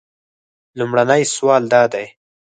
لومړنی سوال دا دی.